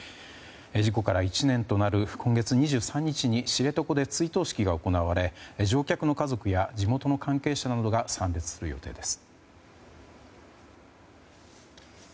事故から１年となる今月２３日に知床で追悼式が行われ乗客の家族や地元の関係者などが参列する予定です。